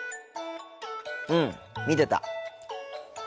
うん見てた。